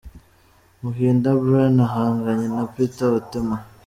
Muhinda Bryan ahanganye na Peter Otema.